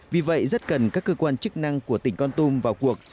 vì vậy rất cần các cơ quan chức năng của tỉnh con tum vào cuộc